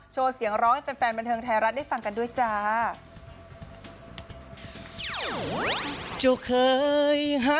เสียงร้องให้แฟนบันเทิงไทยรัฐได้ฟังกันด้วยจ้า